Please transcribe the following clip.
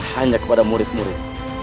hanya kepada murid murid